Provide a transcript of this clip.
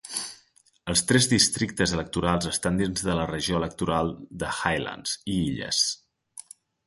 Els tres districtes electorals estan dins de la regió electoral de Highlands i Illes.